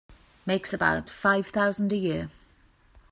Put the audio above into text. Makes about five thousand a year.